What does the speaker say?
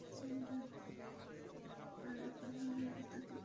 কারন এখন পর্যন্ত তাকে পাই নি।